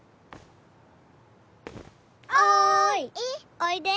おいで。